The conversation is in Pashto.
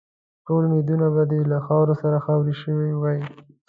ټول امیدونه به دې له خاورو سره خاوري شوي وای.